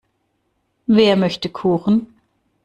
Wer möchte Kuchen?